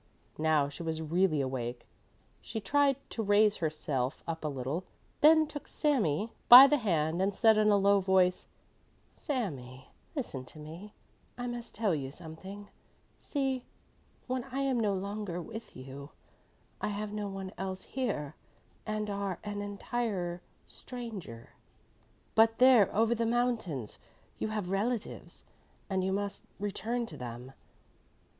Now she was really awake. She tried to raise herself up a little, then took Sami by the hand and said in a low voice: "Sami, listen to me, I must tell you something. See, when I am no longer with you, you have no one else here, and are an entire stranger. But there over the mountains you have relatives, and you must return to them.